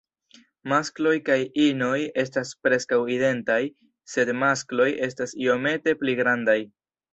Maskloj kaj inoj estas preskaŭ identaj; sed maskloj estas iomete pli grandaj.